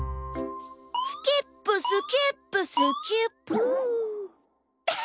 スキップスキップスキップゥ。